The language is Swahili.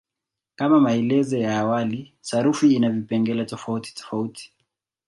Kama maelezo ya awali, sarufi ina vipengele tofautitofauti.